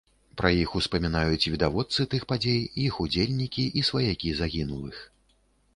Пра іх успамінаюць відавочцы тых падзей, іх удзельнікі, і сваякі загінулых.